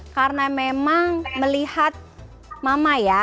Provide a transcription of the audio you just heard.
karena memang melihat mama ya